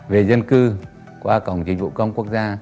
về dân cư qua cổng dịch vụ công quốc gia